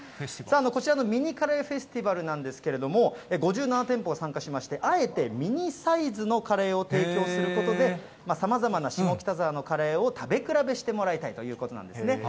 こちらのミニカレーフェスティバルなんですけれども、５７店舗が参加しまして、あえてミニサイズのカレーを提供することで、さまざまな下北沢のカレーを食べ比べしてもらいたいということなんですね。